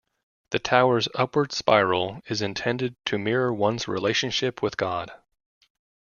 The tower's "upward spiral" is intended to mirror one's relationship with God.